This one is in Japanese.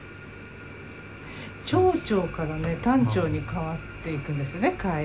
長調からね短調に変わっていくんですね。